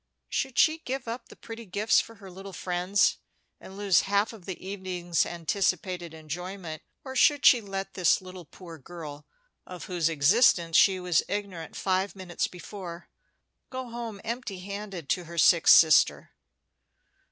Should she give up the pretty gifts for her little friends, and lose half of the evening's anticipated enjoyment, or should she let this poor girl of whose existence she was ignorant five minutes before go home empty handed to her sick sister?